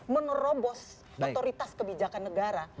menerobos otoritas kebijakan negara